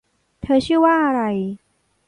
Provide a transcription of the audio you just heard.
เธอชื่อว่าอะไร